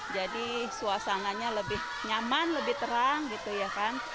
jadi suasananya lebih nyaman lebih terang gitu ya kan